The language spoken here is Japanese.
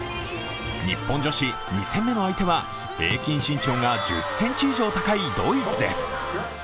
日本女子、２戦目の相手は平均身長が１０ｃｍ以上高いドイツです。